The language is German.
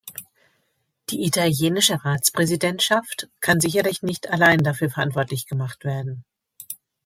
Die italienische Ratspräsidentschaft kann sicherlich nicht allein dafür verantwortlich gemacht werden.